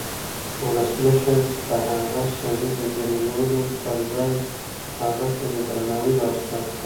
ولسمشر د هغه سړي د ذلیلولو پر ځای هغه ته د درناوي لاس ورکړ.